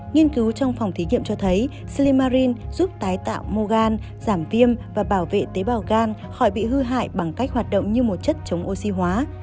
nghiên cứu trong phòng thí nghiệm cho thấy silimarin giúp tái tạo mogan giảm viêm và bảo vệ tế bào gan khỏi bị hư hại bằng cách hoạt động như một chất chống oxy hóa